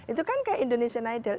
itu kan kayak indonesian nider